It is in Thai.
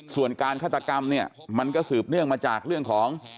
ส่วนการฆาตกรรมเนี่ยมันก็สืบเนื่องมาจากเรื่องของ